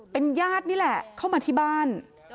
เป็นญาตินี่แหละเข้ามาที่บ้าน